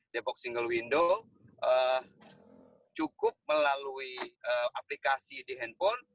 depok single window cukup melalui aplikasi di handphone